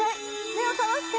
目を覚まして！